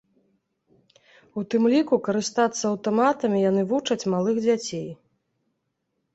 У тым ліку, карыстацца аўтаматамі яны вучаць малых дзяцей.